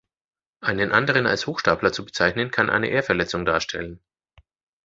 Einen anderen als Hochstapler zu bezeichnen, kann eine Ehrverletzung darstellen.